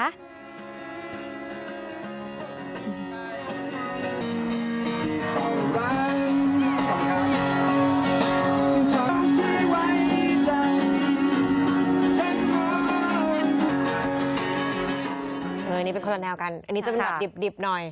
อันนี้เป็นคนละแนวกันอันนี้จะเป็นแบบดิบหน่อย